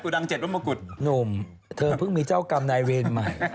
ดัง๗รมงกุฎหนุ่มเธอเพิ่งมีเจ้ากรรมนายเวรใหม่